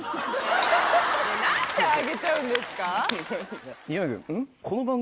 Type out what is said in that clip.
ねぇ何であげちゃうんですか？